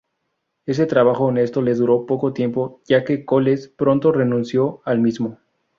Ese trabajo honesto le duró poco tiempo, ya que Coles pronto renunció al mismo.